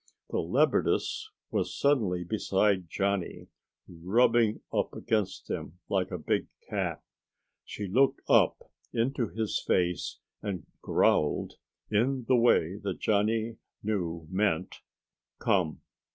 The leopardess was suddenly beside Johnny, rubbing up against him like a big cat. She looked up into his face and growled in the way that Johnny knew meant "come."